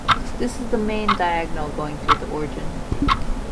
This is the "main diagonal" going through the origin.